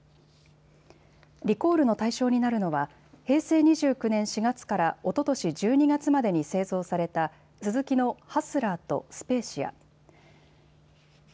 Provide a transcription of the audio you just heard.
リコールの対象になるのは平成２９年４月からおととし１２月までに製造されたスズキのハスラーとスペーシア。